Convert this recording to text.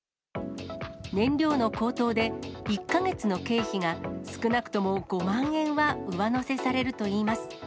燃料の高騰で、１か月の経費が少なくとも５万円は上乗せされるといいます。